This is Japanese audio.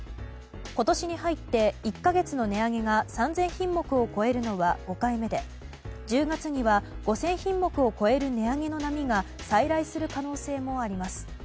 今年に入って１か月の値上げが３０００品目を超えるのは５回目で１０月には５０００品目を超える値上げの波が再来する可能性もあります。